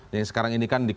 yang sekarang ini kan